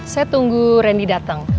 saya tunggu rendy datang